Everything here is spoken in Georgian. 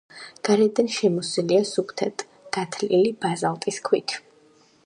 გარედან შემოსილია სუფთად გათლილი ბაზალტის ქვით.